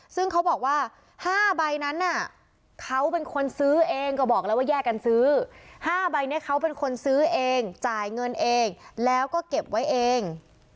ซึ่งเขาบอกว่า๕ใบนั้นน่ะเขาเป็นคนซื้อเองก็บอกแล้วว่าแยกกันซื้อ๕ใบนี้เขาเป็นคนซื้อเองจ่ายเงินเองแล้วก็เก็บไว้เอง